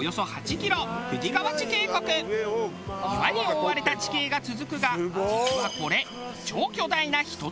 岩に覆われた地形が続くが実はこれ。